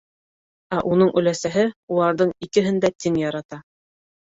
Ә уның өләсәһе уларҙың икеһен дә тиң ярата.